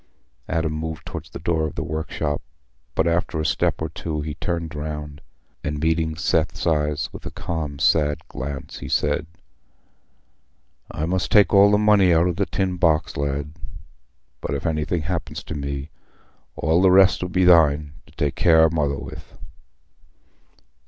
Adam moved towards the door of the workshop, but after a step or two he turned round, and, meeting Seth's eyes with a calm sad glance, he said, "I must take all the money out o' the tin box, lad; but if anything happens to me, all the rest 'll be thine, to take care o' Mother with."